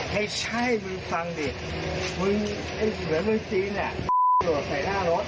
นะเฮ้ย